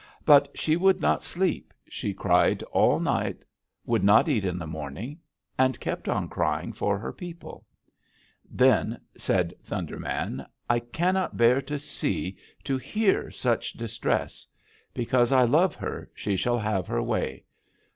But she would not sleep; she cried all night; would not eat in the morning, and kept on crying for her people. "Then said Thunder Man: 'I cannot bear to see to hear such distress. Because I love her, she shall have her way.